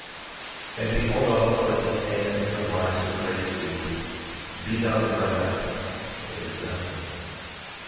12:16 And behold, also, if he say unto the waters of the great deep—Be thou dried up—it is done.